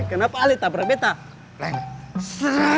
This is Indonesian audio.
kenapa kamu tak berani berbicara dengan saya